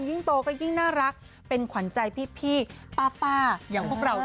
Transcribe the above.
ยิ่งโตก็ยิ่งน่ารักเป็นขวัญใจพี่ป้าอย่างพวกเรา